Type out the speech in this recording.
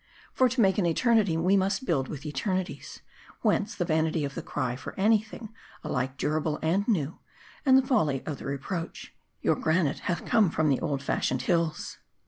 For to make an eternity,, we must build with eternities ; whence, the vanity of the cry for any thing alike durable and new; and the folly of the reproach Your granite hath come from the old fashioned M A R D I. 267 hills.